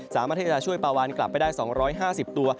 สามารถที่จะช่วยปลาวานกลับไปได้๒๕๐ตัว